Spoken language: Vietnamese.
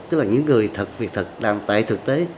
tức là những người thực việc thực làm tại thực tế